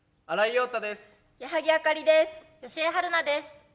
吉江晴菜です。